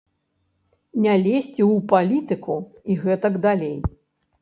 Не лезці ў палітыку і гэтак далей.